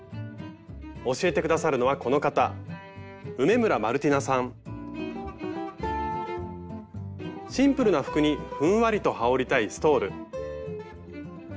教えて下さるのはこの方シンプルな服にふんわりと羽織りたいストール。